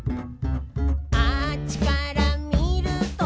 「あっちからみると」